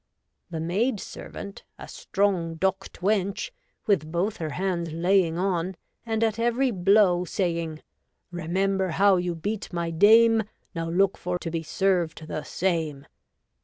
The maid servant, a strong docht wench, with both her hands laying on, and at every blow saying :—' ^'■Remember how you beat my dame : Now look for to be served the same."